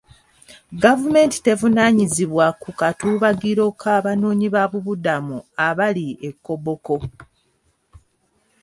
Gavumenti tevunaanyizibwa ku katuubagiro k'abanoonyiboobubudamu abali e Koboko.